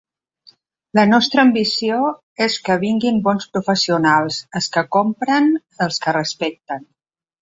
La nostra ambició és que vinguin bons professionals, els que compren, els que respecten.